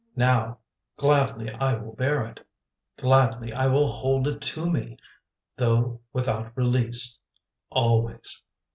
Now gladly I will bear it; Gladly I will hold it to me, Though without relecise; Always.